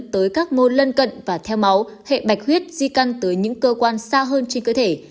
tới các môn lân cận và theo máu hệ bạch huyết di căn tới những cơ quan xa hơn trên cơ thể